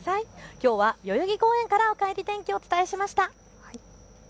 きょうは代々木公園からおかえり天気、お伝えしました。